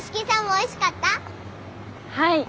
はい！